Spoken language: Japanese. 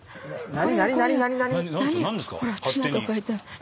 何？